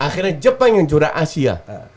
karena jepang yang juara asia